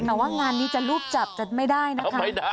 แต่ว่างานนี้จะรูปจับจะไม่ได้นะคะ